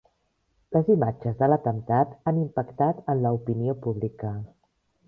Les imatges de l'atemptat han impactat en l'opinió pública.